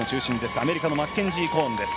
アメリカのマッケンジー・コーンです。